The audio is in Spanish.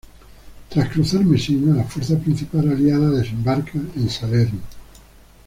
Tras cruzar Mesina, la fuerza principal aliada desembarca en Salerno.